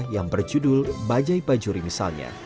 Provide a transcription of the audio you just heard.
yang berjudul bajai bajuri misalnya